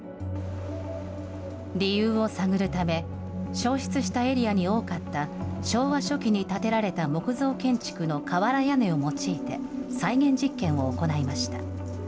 理由を探るため、焼失したエリアに多かった昭和初期に建てられた木造建築の瓦屋根を用いて再現実験を行いました。